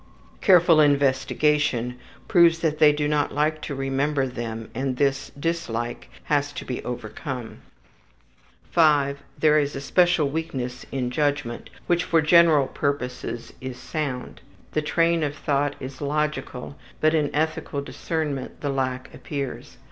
Careful investigation proves that they do not like to remember them and this dislike has to be overcome. 5. There is a special weakness in judgment, which for general purposes is sound. The train of thought is logical, but in ethical discernment the lack appears.